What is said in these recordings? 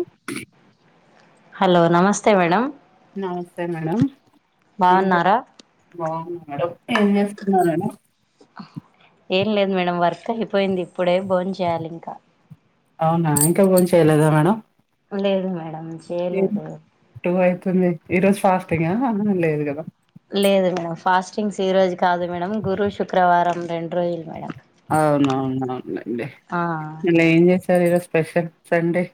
Okay hello నమస్తే madam? నమస్తే madam ఏం లేదు బాగున్నారా బావుంది మేడం ఏం చేస్తున్నారు మేడం? ఏం లేదు మేడం వర్క్ అయిపోయింది ఇప్పుడే బోన్ చేయాలి ఇంకా అవునా ఇంకా బోన్ చేయలేదా మేడం? లేదు మేడం చేయలేదు సర్లే ఈ రోజు ఫాస్టింగ్ అ లేదు గదా లేదు మేడం ఫాస్టింగ్స్ ఈ రోజు కాదు మేడం గురు, శుక్రవారం రెండు రోజులు మేడం అవునవునండి ఆ నిన్న ఏం చేసారు ఈరోజు స్పెషల్ సండే?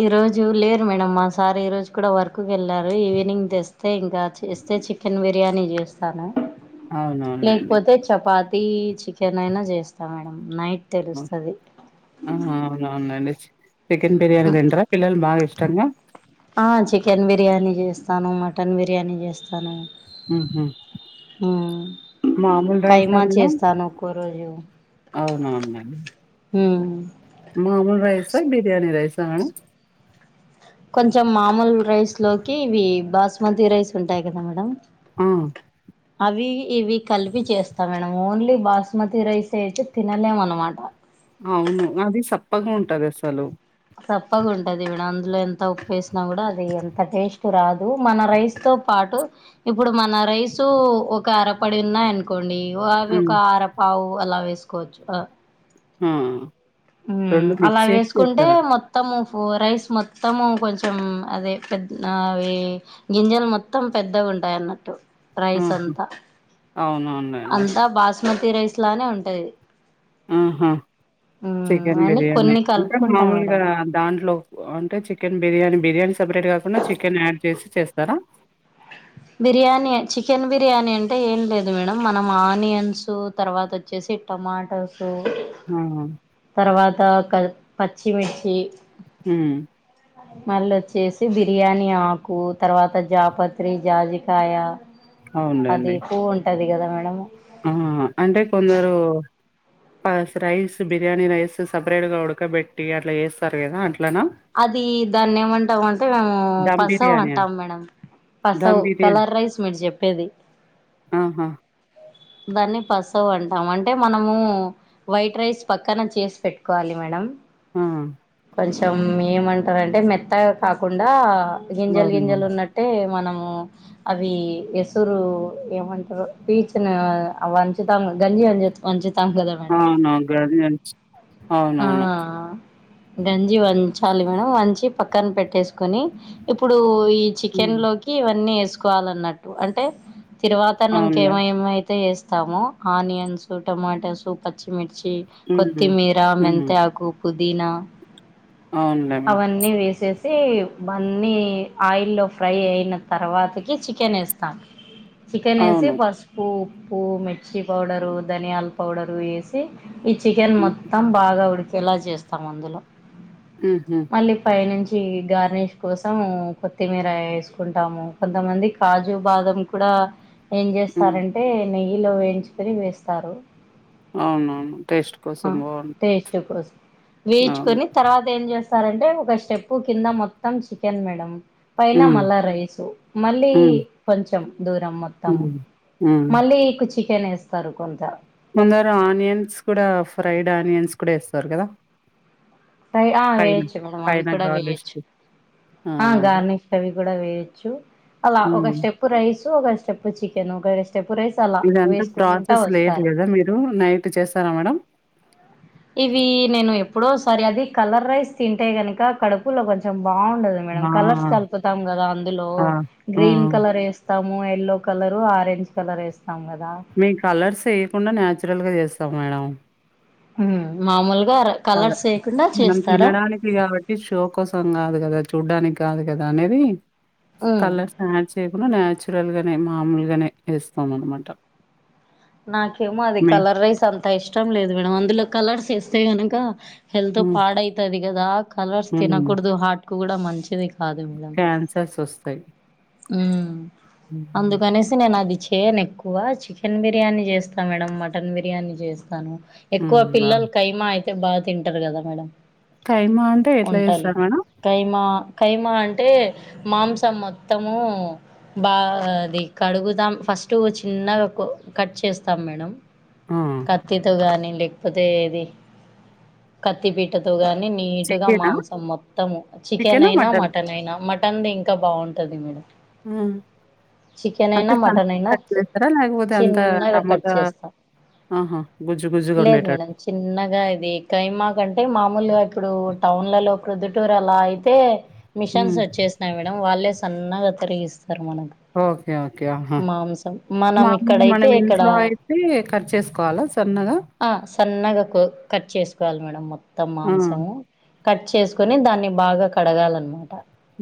ఈ రోజు లేరు మేడమ్ మా సార్ ఈ రోజు కూడా వర్క్కి వెళ్లారు. ఈవినింగ్ తెస్తే ఇంకా చేస్త చే చికెన్ బిర్యానీ చేస్తాను. అవునవునండి లేకపోతే చపా తి చికెన్ అయినా చేస్తా మేడం నైట్ ఆ, తెలుస్తది. అవునవునండి చికెన్ బిర్యానీ థింటరా పిల్లలు బాగా ఇష్టంగా ఆ చికెన్ బిర్యానీ చేస్తాను, మటన్ బిర్యానీ చేస్తాను. మ్హూ. మ్ మామూలు కైమా చేస్తాను ఒక్కో రోజు అవునవున ఊ మామూలు రైస, బిర్యాణి రైసా కొంచం మామూలు రైస్ లోకి ఇవి బాస్మతి రైస్ ఉంటాయి కదా మేడం. ఆ వి ఇవి కలిపి చేస్తాం మేడం ఓన్లీ బాస్మతి రైస్ అయితే తినలేము అనమాట. అవును అది చప్పగా ఉంటది అసలు చప్పగా ఉంటది ఈడ అందులో ఎంత ఉప్పు వేసినా కూడా అది ఎంత టేస్ట్ రాదు మన రైస్ తో పా అటు ఇప్పుడు మన రైసు ఒక అరపడి ఉన్నాయి అనుకోండి. వాళ్ళు ఉమ్, ఒక ఆరపావు అలా వేసుకోవచ్చు ఆ హ మ్ అలా వేసుకుంటే మొత్తం ఓ రైస్ మొత్తం కొంచెం అదే పె అవి గింజలు మొత్తం పెద్దగున్ ఉంటాయన్నట్టు ప్రైస్ ఎంత అవునవును లెండి స్మూతి రైస్లానే ఉంటది. ఆహా హ్మ్ చికెన్ అని బిర్యానీ కొన్ని అంటే కలుపుకుంటా మామూలుగా మేడం దాంట్లో అంటే చికెన్ బిర్యానీ బిర్యానీ సపరేట్ కాకుండా చికెన్ యాడ్ చేసి చేస్తారా? బిర్యానీ చికెన్ బిర్యానీ అంటే ఏం లేదు మేడం మనం ఆనియన్స్ తర్వాత వచ్చే వేసి టమాటల్ తో ఆవునా తర్వాత క పచ్చిమిర్చి హ్మ్. మళ్ళ వచ్చేసి బిర్యానీ ఆకు తర్వాత జాపత్రి, జాజికాయ అది అవునులెండి. పువ్ ఉంటది కదా మేడం పాస్ రైస్, బిర్యానీ రైస్ సపరేట్ గా ఉడకబెట్టి అట్లా చేస్తారు కదా అట్లా అది దాన్ని ఏమంటాం అంటే మేము ధమ్ పసవ బిర్యానీ అని. అంటాం మేడం. పసవ్ ధమ్ బిర్యానీ. కలర్ రైస్ మీరు చెప్పేది ఆహా దాన్ని పసవ్ అంటాం అంటే మనము వైట్ రైస్ పక్కన చేసి పెట్టుకోవాలి మేడం ఆ కొంచం ఏమంటారంటే మెత్తగా కాకుండా గింజలు గింజలు అవునవును. ఉన్నట్టే మనం అవి ఎసురు ఏమంటారు పీచిన అవంచుతాం గంజి అనిచెప్ వంచు తాం కదా మేడం అవునవును. గర్జన్స్ అవునవును. ఆఆ గంజి వంచాలి మేడం వంచి పక్కన పెట్టేసుకోని ఇప్పుడు ఈ హ్మ్. చికెన్లోకి ఇవన్నీ ఏసుకోవాలన్నట్టు అంటే తిరువాత అన్నంకి అవునులే. ఏమో ఏమో అయితే ఏస్తామో ఆనియన్స్ టొమాటోస్ పచ్చిమిర్చి హ్మ్. కొత్తిమీరా హ్మ్. మెంతాకు పుదీనా అవునులే మేడం. అవన్నీ వేసే సి బన్నీ ఆయిల్లో ఫ్రై అయిన తర్వాతకి చికెన్ ఏస్తాం చికెన్ ఏసి అవును. పసుపు ఉప్పు మిర్చి పౌడరు ధనియాల పౌడరు ఏసి ఈ చికెన్ హ్మ్. మొత్తం బాగా ఉడికేలా చేస్తాం అందులో హుహు. మళ్ళీ పైనుం చి గార్నిష్ కోసం కొత్తిమీర ఏసుకుంటాము కొంతమంది కాజు బాదం కూడా ఆ ఏం హ్మ్. చేస్తారంటే నెయ్యిలో వేయించుకుని వేస్తారు అవునవును టేస్ట్ ఆ కోసం బావుం టేస్ట్ కోసం అవును. వేయిచుకొని తర్వాత ఏం చే స్తారంటే ఒక స్టెప్ కింద మొత్తం చికెన్ మేడం పైన హ్మ్. మళ్ళా రైసు మళ్ళీ హ్మ్. కొంచెం దూరం మొత్తం హ్మ్. హ్మ్. మళ్ళీకు చికెన్ ఏస్తారు కొంత ముందర ఆనియన్స్ కూడా ఫ్రైడ్ ఆనియన్స్ కూడా ఎస్తారు కదా ఆ వేయచ్చు మేడం అవి కూడా వేయచ్చు గార్నిష్‌కి. ఆ గార్నిష్ అవి కూడా వేయొచ్చు అలా ఒక హ్మ్. స్టెప్ రైస్ ఒక స్టెప్ చికెను ఒక స్టెప్ రైస్ అలా ఇదంతా వేసుకుంటా ప్రాసెస్ లేట్ వస్తారు కదా మీరు నైట్ చేస్తారా మేడం ఇవి నేను ఎప్పుడో ఓసారి అది కలర్ రైస్ తింటే గనుక కడుపులో కొంచెం బాగుండదు మేడం ఆ! కలర్స్ కలుపుతాం కదా అందులో ఆ! ఆ! గ్రీన్ కలర్ ఏ స్తాము ఎల్లో కలర్ ఆరెంజ్ కలర్ ఏ మేం కలర్స్ ఏయ్యకుండా న్యాచురల్గా చేస్తాం మేడం ఉమ్మ్ మామూల్ అదే మనం తినడానికి కాబట్టి షో కోసం కాదు కదా చూడ్డానికి కాదు కదా అనేది హ్మ్. కలర్స్ యాడ్ చేయ కుండా న్యాచురల్ గానే మామూలుగానే ఏస్తాం అనమాట నాకేమో అది కలర్ రైస్ అంత ఇష్టం లేదు మేడం అందులో కలర్స్ ఏస్తే గనక హెల్త్ హ్మ్. పాడయితాది కదా కలర్స్ హ్మ్. తినకూడదు హాట్కు కూడా మంచిది కాదు క్యాన్సర్స్ వస్తాయి ఉమ్మ్ హ్మ్. అందుకనేసి నేను అది చేయను ఎక్కువ చికెన్ బిర్యానీ చేస్తా మేడం మటన్ బిర్యాని చేస్తాను ఎక్కువ హ్మ్. అవును. పిల్లలు కైమా అ యితే బాగా తింటారు కదా మేడం కైమా అంటే ఎట్లా వంటలు చేస్తారు మేడం? కైమా కైమా అంటే మాంసం మొత్తము బా అది కడుగుదాం ఫ స్ట్ చిన్నగా కో కట్ చేస్తాం మేడం ఆ! కత్తితో గాని లేక్పోతే ఏది కత్తిపీట్టతో గా ని నీటుగా చికెనా? మాంసం మొత్తము చికెన్ అయినా మటన్ అయినా మ పంది ఇంకా బాగుంటది మేడం ఉమ్ చికెన్ అంటే అయినా మటన్ [unintelligible] అయినా లేకపో అంత చిన్నగా కట్ టమాటా చేస్తాం ఆహ గుజ్జు గు లేదు మేడం చిన్నగా ఇది ఖైమా కంటే మామూలుగా ఇప్పుడు టౌన్లలో ప్రొద్దుటూరు అలా అయితే మిషన్స్ హ్మ్. వచ్చేసినాయి మేడం వాళ్ళే సన్నగా తరిగిస్తా స్తరు మనకు ఓకే. ఓకే. ఆహా! మాంసం మనం ఇ మామూలుగా ఐతే మనం ఇక్కడ ఇంట్లో అయితే కట్ చేసుకోవాలా సన్నగా? సన్నగా ఆ కో కట్ చేస్ సుకోవాలి మేడం మొత్తం ఆ! మాంసము కట్ చేసుకొని దాన్ని బాగా కడగాలన్ మాట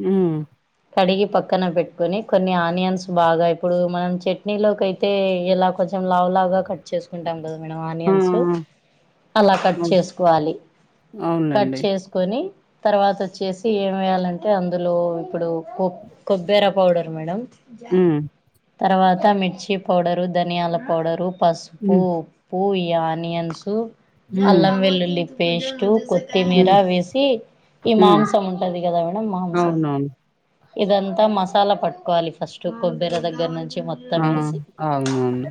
ఉమ్ కడిగి పక్కన పెట్టుకొని కొన్ని ఆనియన్స్ బాగా ఇప్పుడు మనం చట్నీలోకి అయితే అయితే ఎలా కొంచెం లావు లావుగా కట్ చే చేసుకుంటాం కదా మేడం ఆ! ఆనియన్స్ ఆ! అలా కట్ అవును. చేసుకోవాలి. కట్ అవునులెండి. చేసుకొని తర్వాత వచ్చేసి ఏమి వేయాలంటే అందులో ఇప్పుడు కొ కొబ్బేర పౌడర్ మేడం ఉమ్ తర్వాత మిర్చి పౌడరు, ధనియాల పౌడరు, పస్పు హ్మ్. పు ఈ ఆనియన్సు, హ్మ్. అల్లం వెల్లుల్లి పేస్టు, కొత్తిమీర హ్మ్. వేసి ఈ హ్మ్. మాంసం ఉంటది కదా మేడం మాంసం అవునవును. ఇదంతా మసాలా పట్టుకోవాలి ఫస్ట్ కొబ్బెరి దగ్గర నుంచి మొత్తం ఆ! వేసి అవునవును.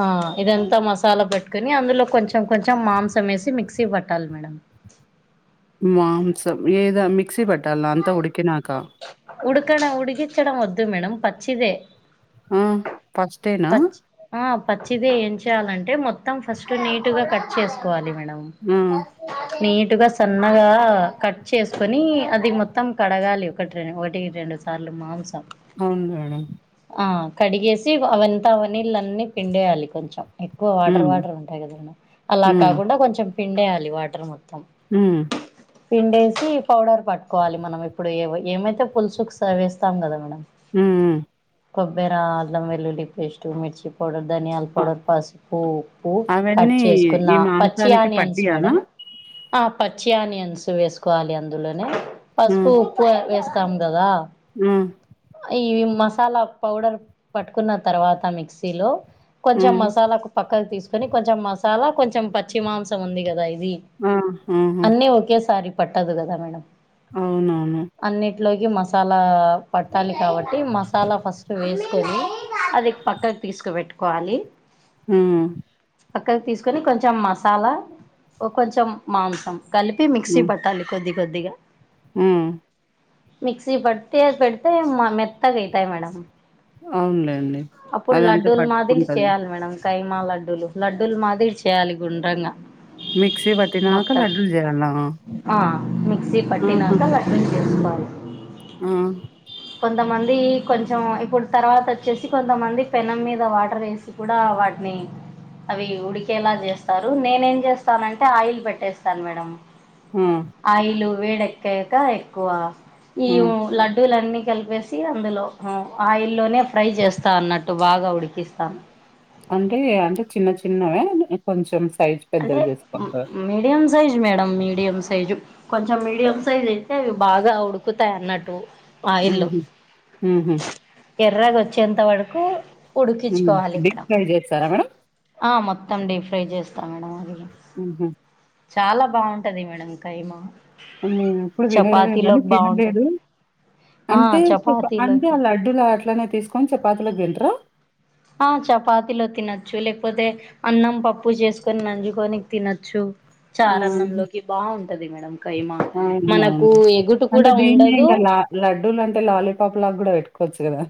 ఆ ఇదంతా మసాలా పట్కొని అందులో కొంచెం కొంచెం మాంసం వేసి మిక్సీ పట్టాలి మేడం మాంసం ఏదా మిక్సీ పట్టాల అంతా ఉడికినాకా ఉడకన ఉడికించడం వద్దు మేడం పచ్చిదే ఆ ఫస్ట్ నా పచ్చిది ఏం చేయాలంటే మొత్తం ఫస్ట్ నీటుగా కట్ చేసుకోవాలి మేడం ఆ! నీటుగా సన్నగా కట్ చేసుకొని అది మొత్తం కడగాలి ఒకటి రెండు ఒకటి రెండు సార్లు మాంసం అవును మేడం ఆ కడిగేసి వ అవంతా అవి నీళ్ళన్నీ పిండేయాలి కొంచెం ఎక్కువ వాటర్ హ్మ్. వాటర్ ఉంటాయి కదా మేడం అలా హ్మ్. కాకుండా కొంచెం పిండేయాలి వాటర్ మొత్తం ఉమ్ పిండేసి పౌడర్ పట్టుకోవాలి మనం ఇప్పుడు ఏవై ఏమైతే పులుసుకు సవేస్తాం కదా మేడం ఉమ్ ఉమ్ కొబ్బెర, అల్లం వెల్లుల్లి పేస్టు, మిర్చి పౌడర్, ధనియాల ఆ! పౌడర్, పసుపు, ఉప్పు, కట్ అవన్నీ చేసుకున్న ఈ పచ్చి మాంసానికి ఆనియన్స్ పట్టియనా? మేడం ఆ ప్ పచ్చి ఆనియన్స్ వేసుకోవాలి అందులోనే హ్మ్. పసుపు, ఉప్పు, వేస్తాం కదా హ్మ్. ఈవి మసాలా పౌడర్ పట్టుకున్న తర్వాత మిక్సీలో కొంచెం హ్మ్. మసాలాకు పక్కకు తీసుకొని కొంచెం మసాలా కొంచెం పచ్చి మాంసం ఉంది కదా ఇద్ ఇది ఆ! ఆహా! అన్నీ ఒకేసారి పట్టదు కదా మేడం అవునవును. ఇట్లోకి మసాలా పట్టాలి కాబట్టి మసాలా ఫస్ట్ వేసుకొని అది పట్ పక్కక్ తీసుకు పెట్టుకోవాలి హ్ము్ పక్కకి తీసుకొని కొంచెం మసాలా ఒ కొంచెం మాంసం కలిపి మిక్సీ పట్టాలి కొద్ది కొద్దిగా ఉ మిక్సీ పట్టి అది పెడితే మెత్తగా అయితాయి మేడం అవున్లేండి అప్పుడు లడ్డూల్ మాదిరి చేయాలి మేడం కైమా లడ్డూలు లడ్డూలు మాదిరి చేయాలి గుండ్రంగా మిక్సీ పట్టినాక మొత్తం లడ్డూలు జేయాలా? ఆ మిక్సీ ఆహా! పట్టినకా లడ్డుల్ చేసుకో ఆ కొంతమంది కొంచెం ఇప్పుడ్ తర్వాత అచ్చేసి కొం తమంది పెనం మీద వాటర్ ఎసి కూడా వాటిని అవి ఉడికేలా చేస్తారు నేనేమ్ చేస్తానంటే ఆయిల్ పెట్టేస్తాన్ మేడం ఆ! ఆయిలు వేడెక్కాక ఎక్కువ ఈ ఆ! ఉ లడ్డూలన్నీ కలిపేసి అందులో ఆయిల్లోనే ఫ్రై చేస్తా అన్నట్టు బాగా ఉడికిస్తాన్ అంటే అంటే చిన్న చిన్న గా కొంచెం సైజ్ అంటే పెద్దవి జేసుకుంటారా? Mediums size madam medium size కొంచెం మీడియం సైజ్ అయితే అవి బాగా ఉడుకుతాయన్నట్టు ఉహు ఉహు ఎర్రగ వచ్చేంతవరకు హ్మ్. ఉడికించుకోవాలి డీప్ ఫ్రై చేస్తారా మేడం? ఆ మొ త్తం డీ ఫ్రై చేస్తా మేడం అది ఉహు చాలా బగుంటది మేడం కైమా నేను ఎప్పుడు వినడమే గనీ చపాతీలోకి బాగుంటది తినలేదు ఆ అంటే పిప అంటే ఆ చపాతీలోకి లడ్డూల అట్లనే తీసుకొని చపాతీలోకి తింటరా ఆ చపాతిలో తినచ్చు లేకపోతే అన్నం పప్పు చేసుకొని నంజుకొని తినచ్చు ఆహా! చారన్నంలోకి బాగుంటది మేడం కైమా మనకు ఎగుటు కూడా ఉండదు లా లడ్డూలంటే లాలీపాప్ లాగా కూడా పెట్టుకోవచ్చు కదా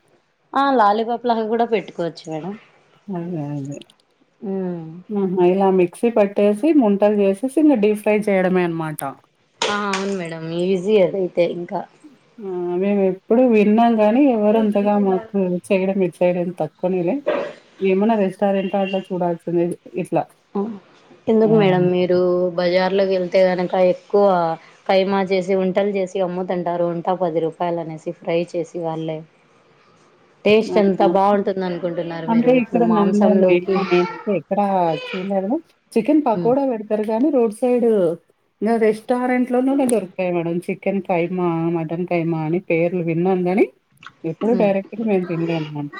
ఆ లాలీపాప్ లాగా కూడా పెట్టుకోవచ్చు మేడం అదే అదే ఉమ్ అహ ఇలా మిక్సీ పట్టేసి ము చేసేసి ఇంకా డీప్ ఫ్రై చేయడమే అనమాట ఆ అవును మేడం ఈజీ అదైతే ఇంకా అ మేము ఎప్పుడు విన్నా కానీ ఎవరు అంతగా మాకు చేయడం [unintelligible] తక్కువనేలే ఏమన్నా రెస్ సర్ ఇంటటే చూడాల్సింది ఎందుకు మేడం మీరు బజార్లో వెళ్తే గనక ఎక్కువ కైమా చేసి వంటలు చేసి అమ్ముతుంటారు వంట పది రూపాయల్ అనేసి ఫ్రై చేసి వాళ్లే అవునా అనుకుంటున్నారు అంటే మీరు ఇప్పుడు ఇక్కడ నంద్యాలలో మాంసంలోకి [unintelligible] ఎక్కడ చూడలేదు చికెన్ ఉమ్ పకోడా పెడతారు గానీ రోడ్ సైడ్ గా రెష్ రెస్టారెంట్ల లోనూనె దొరుకుతాయి madam chicken keema mutton keema అని పేర్లు విన్నాను గని ఎప్పుడు డైరెక్ట్ గా మేము తినలే అనమాట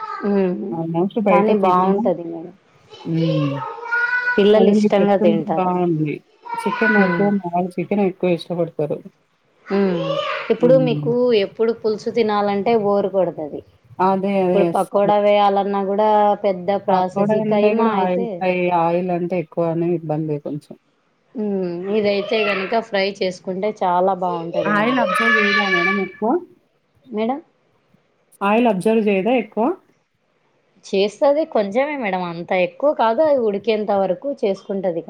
ఉమ్ అవునా [unintelligible] బయట కానీ తినను బాగుంటది మేడం ఉమ్ [unintelligible] పిల్లలు ఇష్టంగా తింటారు చికెన్ అయితే ఉమ్ మ తేనె ఎక్కువ ఇష్టపడతారు ఉహ్మ్ ఇప్పుడు హ్మ్. మీకు ఎప్పుడు పులుసు తినాలంటే బోర్ కొడతది అదే. అదే. ప్పుడు పకోడా వేయాలన్నా గుడా పకోడాలంటే ఆయిల్ ఫ్రై ఆయిల్ అంటే ఎక్కువ అనే ఇబ్బంది కొంచెం కొంటే చాలా బాగుంటది ఆయిల్ మేడం అబ్జర్వ్ చేయదా మేడం ఎక్కువ మేడం ఆయిల్ అబ్జర్వ్ చే ఎ ఎక్కువ చేస్తది కొంచమే మేడం అంత ఎక్కువ కాదు అది ఉడికేంత వరకు చేసుకుంటది.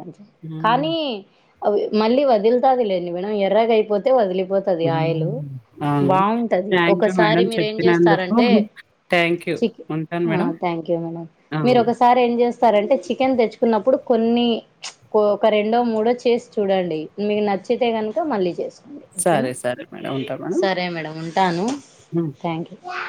హ్మ్ కానీ మళ్ళీ వదులుతాది లేండి మేడం ఎర్రగయిపోతే వదిలి ఆ అండి థాంక్యూ ఒకసారి మేడం మీరు ఏం చెప్పినందుకు చేస్తారంటే థాంక్ క్యూ చిక్ ఉంటా ఆ థాంక్యూ మేడం మీరు ఒకసారి ఏం చేస్తారంటే చికెన్ తెచ్చుకున్నప్పుడు కొన్ని ఒక రెండో మూడో చేసి చూడండి మీకు నచ్చితే గనుక మళ్లీ చేసు ఓకేనా సరే సరే మేడం ఉంటా మేడం. సరే మేడం ఉంటాను హ్మ్. Thank you you